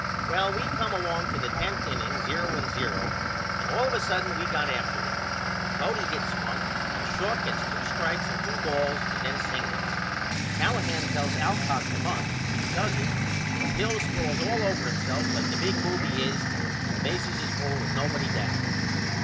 Well we come along to the 10th inning, 0 and 0, and all of a sudden we got after him. Bodie hits one and Schalk gets 2 strikes and 2 balls and then singles. Callahan tells Alcock to bunt and he does it but Hill sprawls all over himself like the big boob he is and the bases is full with nobody down.